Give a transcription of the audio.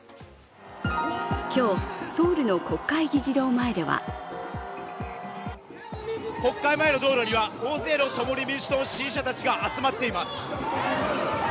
今日、ソウルの国会議事堂前では国会前の道路には大勢の共に民主党の支持者たちが集まっています。